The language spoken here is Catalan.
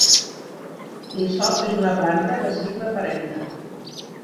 L'hisop és una planta de cicle perenne.